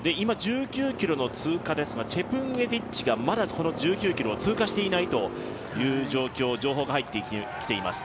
１９ｋｍの通過ですがチェプンゲティッチがまだこの１９ｋｍを通過していないという情報が入ってきています。